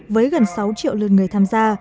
với gần sáu triệu lượt người tham gia